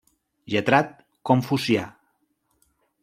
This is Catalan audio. Lletrat confucià.